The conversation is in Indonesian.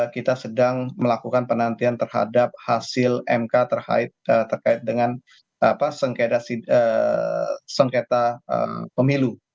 kita sedang melakukan penantian terhadap hasil mk terkait dengan sengketa pemilu